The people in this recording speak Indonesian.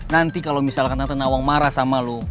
nanti kalau misalkan nawang marah sama lo